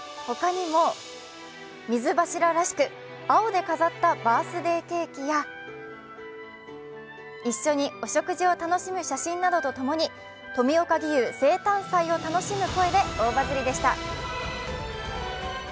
他にも、水柱らしく、青で飾ったバースデーケーキや一緒にお食事を楽しむ写真などともに冨岡義勇生誕祭を楽しむ声で大バズりでした。